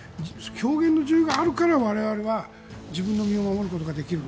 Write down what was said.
表現の自由があるから我々は自分の身を守ることができる。